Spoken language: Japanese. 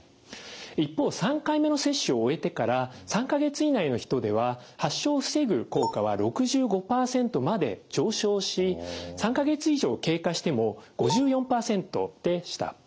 一方３回目の接種を終えてから３か月以内の人では発症を防ぐ効果は６５％まで上昇し３か月以上経過しても５４％でした。